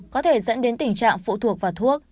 có thể dẫn đến tình trạng phụ thuộc vào thuốc